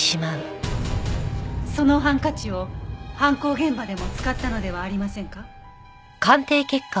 そのハンカチを犯行現場でも使ったのではありませんか？